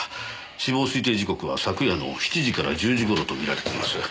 死亡推定時刻は昨夜の７時から１０時頃とみられています。